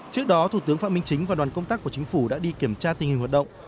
trước đó thủ tướng phạm minh chính và đoàn công tác của chính phủ đã đi kiểm tra tình hình hoạt động